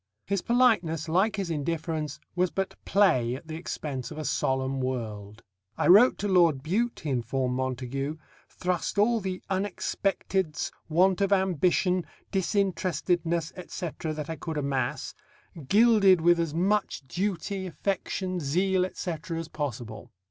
His politeness, like his indifference, was but play at the expense of a solemn world. "I wrote to Lord Bute," he informed Montagu; "thrust all the unexpecteds, want of ambition, disinterestedness, etc., that I could amass, gilded with as much duty, affection, zeal, etc., as possible."